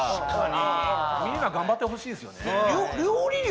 みんな頑張ってほしいですよね。